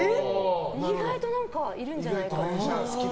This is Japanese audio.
意外といるんじゃないかなって。